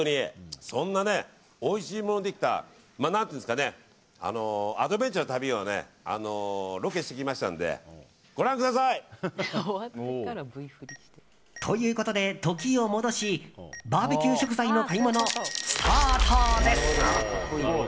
そんなおいしいものができたアドベンチャーの旅をロケしてきましたのでご覧ください。ということで、時を戻しバーベキュー食材の買い物スタートです！